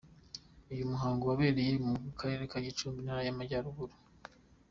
uyu muhango wabereye mu karere ka Gicumbi, Intara y'Amajyaruguru.